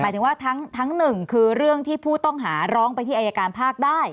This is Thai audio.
ถึงว่าทั้งหนึ่งคือเรื่องที่ผู้ต้องหาร้องไปที่อายการภาคได้